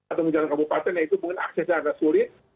atau menjalankan kabupaten yaitu mungkin aksesnya agak sulit